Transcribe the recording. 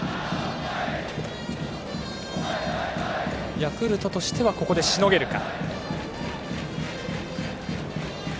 ヤクルトとしてはここでしのげるか。